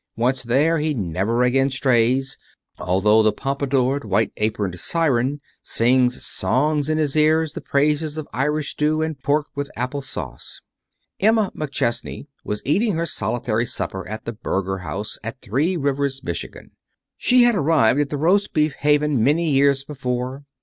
Once there, he never again strays, although the pompadoured, white aproned siren sing songs in his ear the praises of Irish stew, and pork with apple sauce. Emma McChesney was eating her solitary supper at the Berger house at Three Rivers, Michigan. She had arrived at the Roast Beef haven many years before.